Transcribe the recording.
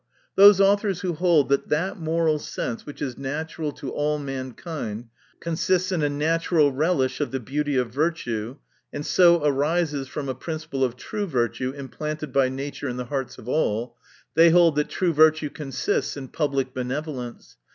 4 Those authors who hold that that moral sense which is natural to all mankind, consists in a natural relish of the beauty of virtue, and so arises from a principle of true virtue implanted by nature in the hearts of all — they hold that true virtue consists in public benevolence.